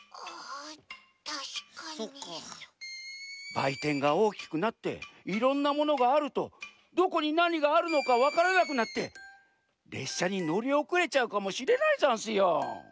ばいてんがおおきくなっていろんなものがあるとどこになにがあるのかわからなくなってれっしゃにのりおくれちゃうかもしれないざんすよ。